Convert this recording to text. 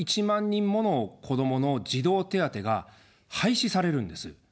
人もの子どもの児童手当が廃止されるんです。